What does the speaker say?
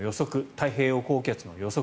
太平洋高気圧の予測